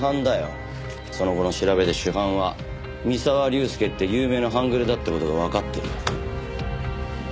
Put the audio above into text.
その後の調べで主犯は三沢龍介って有名な半グレだって事がわかってる。